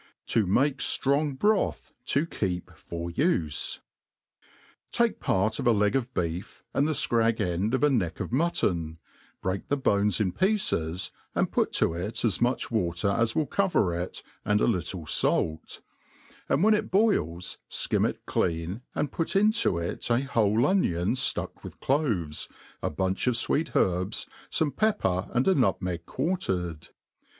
ttt THE ART Olf COOtERT To mate Jirmg Broth to ietp fir life. TAltE part of a leg of beef^ and the fcrag end of a neck o/ mutton, break the bones in pieces, and piit to it as much watef as will cover it, ^tA A Uttle fait \ and whf n it boils, (kirn it /clean, and put into it a whole onio^n ftuck with cloves, a bunch of fweet herbs, fotne pepper, and a nutmeg quartered.